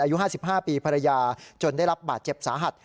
อายุ๕๕ปีภรรยาจนได้รับบาดเจ็บสาหัส